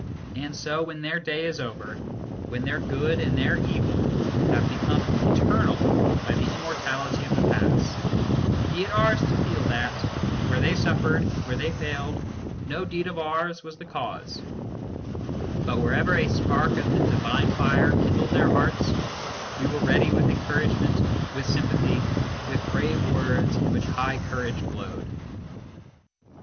And so, when their day is over, when their good and their evil have become eternal by the immortality of the past, be it ours to feel that, where they suffered, where they failed, no deed of ours was the cause ; but wherever a spark of the divine fire kindled in their hearts, we were ready with encouragement, with sympathy, with brave words in which high courage glowed.